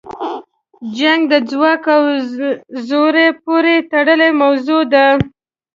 جنګ د ځواک او زوره پورې تړلې موضوع ده.